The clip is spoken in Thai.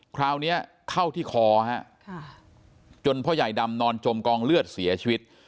คราวนี้เข้าที่คอฮะจนพ่อใหญ่ดำนอนจมกองเลือดเสียชีวิต